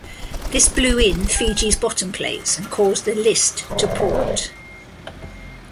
This blew in "Fiji"'s bottom plates and caused a list to port.